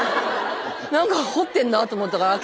なんか掘ってんなと思ったからあ